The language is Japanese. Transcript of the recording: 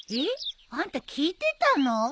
えっ？あんた聞いてたの？